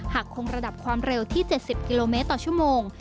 หากคงระดับความเร็วที่๗๐กิโลเมตรต่อชั่วโมง